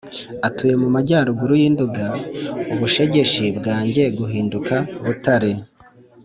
Atuye mu majyaruguru y’i Nduga u Bushegeshi bwaje guhinduka Butare